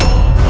aku tidak berat